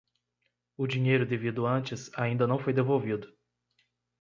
O dinheiro devido antes ainda não foi devolvido.